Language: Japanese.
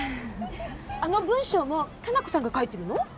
あの文章も果奈子さんが書いてるの？